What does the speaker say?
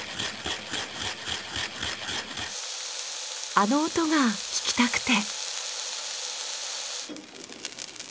あの音が聞きたくて。